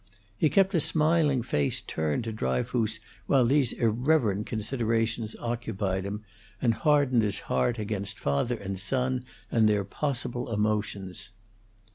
He kept a smiling face turned to Dryfoos while these irreverent considerations occupied him, and hardened his heart against father and son and their possible emotions.